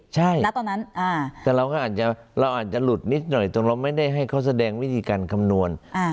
ใช่ณตอนนั้นแต่เราก็อาจจะเราอาจจะหลุดนิดหน่อยตรงเราไม่ได้ให้เขาแสดงวิธีการคำนวณ